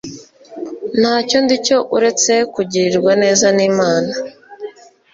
Ntacyo ndicyo uretse kugirirwa neza n Imana